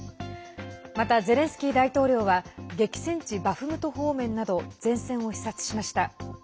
またゼレンスキー大統領は激戦地バフムト方面など前線を視察しました。